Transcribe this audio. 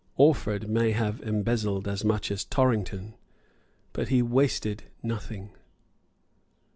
Orford may have embezzled as much as Torrington; but he wasted nothing.